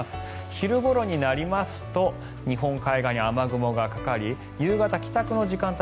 昼ごろになりますと日本海側に雨雲がかかり夕方、帰宅の時間帯